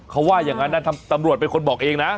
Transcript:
เขาว่าอย่างนั้นนะตำรวจเป็นคนบอกเองนะ